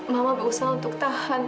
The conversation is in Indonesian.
mama berusaha untuk tahan